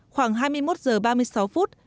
khoảng hai mươi một h ba mươi sáu phút